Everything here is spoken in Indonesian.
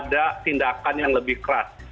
jadi harus ada tindakan yang lebih keras